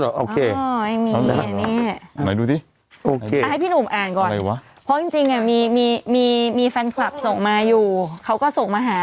เอาให้พี่หนุ่มอ่านก่อนเพราะจริงมีแฟนคลับส่งมาอยู่เขาก็ส่งมาหา